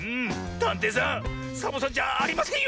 たんていさんサボさんじゃありませんよ。